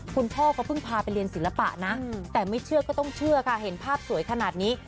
คุณพ่อเขาเพิ่งพาไปเรียนศิลปะนะแต่ไม่เชื่อก็ต้องเชื่อค่ะเห็นภาพสวยขนาดนี้